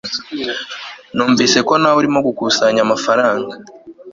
Numvise ko nawe urimo gukusanya amafaranga